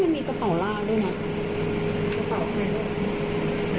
เขาได้ใช้โทรศัพท์เขาเป็นวันแรกไงที่โทรศัพท์เขาโดนยึดอ่ะ